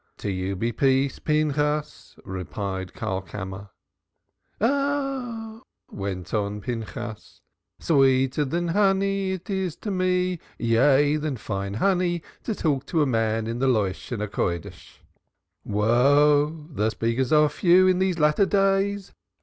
"To you be peace, Pinchas!" replied Karlkammer. "Ah!" went on Pinchas. "Sweeter than honey it is to me, yea than fine honey, to talk to a man in the Holy Tongue. Woe, the speakers are few in these latter days.